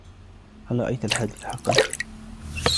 هل رأيت الحادث حقا ؟